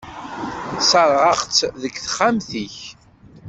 Serseɣ-tt deg texxamt-ik.